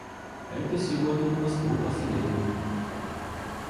– Это сегодня на Москву последний.